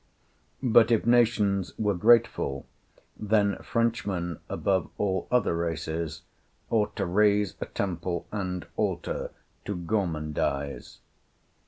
But if nations were grateful, then Frenchmen, above all other races, ought to raise a temple and altars to "Gourmandise."